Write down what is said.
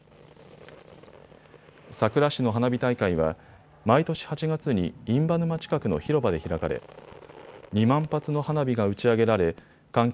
佐倉市の花火大会は毎年８月に印旛沼近くの広場で開かれ２万発の花火が打ち上げられ観客